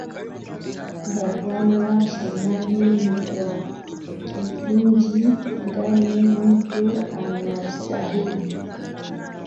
da bwana shomali ni kwa kipindi ngani mtu anastahili